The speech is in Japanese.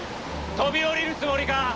飛び降りるつもりか？